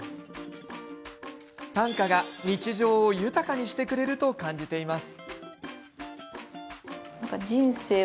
短歌が日常を豊かにしてくれると感じています。